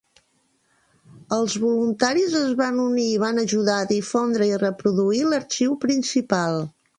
Els voluntaris es van unir i van ajudar a difondre i reproduir l'arxiu principal.